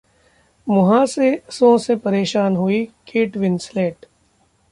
मुहांसों से परेशान हुईं केट विंसलेट